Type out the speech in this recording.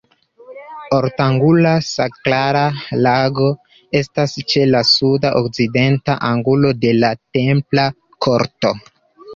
Ortangula sakrala lago estas ĉe la sud-okcidenta angulo de la templa korto.